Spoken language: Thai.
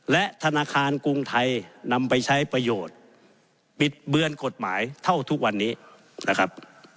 และธนาคารกรุงไทยนำไปใช้ประโยชน์บิดเบือนกฎหมายเท่าทุกวันนี้นะครับ